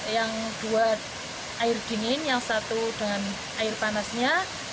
yang dua air dingin yang satu dengan air panasnya